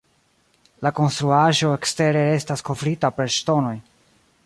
La konstruaĵo ekstere estas kovrita per ŝtonoj.